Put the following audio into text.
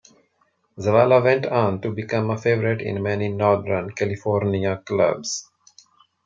Zavala went on to become a favorite in many Northern California clubs.